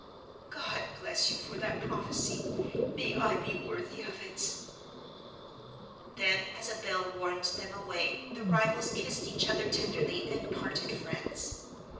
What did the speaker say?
"God bless you for that prophecy; may I be worthy of it." Then as a bell warned them away, the rivals kissed each other tenderly, and parted friends.